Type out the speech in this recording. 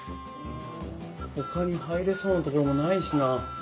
ほかに入れそうな所もないしな。